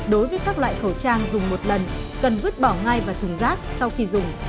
đối với các loại khẩu trang dùng một lần cần vứt bỏ ngay vào thùng rác sau khi dùng